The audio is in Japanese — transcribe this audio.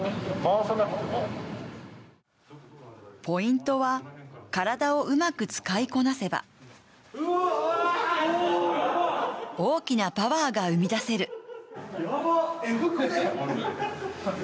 ポイントは、体をうまく使いこなせば大きなパワーが生み出せる。